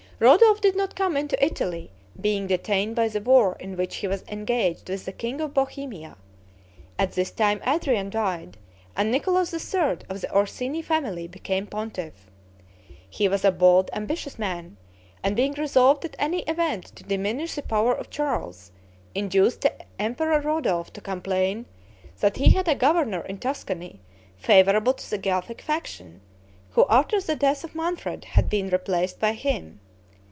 Rodolph did not come into Italy, being detained by the war in which he was engaged with the king of Bohemia. At this time Adrian died, and Nicholas III., of the Orsini family, became pontiff. He was a bold, ambitious man; and being resolved at any event to diminish the power of Charles, induced the Emperor Rodolph to complain that he had a governor in Tuscany favorable to the Guelphic faction, who after the death of Manfred had been replaced by him.